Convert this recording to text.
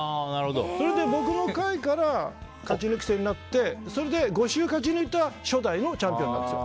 それで僕の回から勝ち抜き戦になってそれで５週勝ち抜いた初代チャンピオンなんです。